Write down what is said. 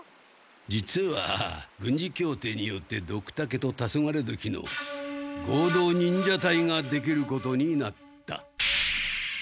実は軍事協定によってドクタケとタソガレドキの合同忍者隊ができることになった。